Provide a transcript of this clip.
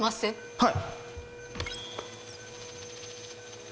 はい。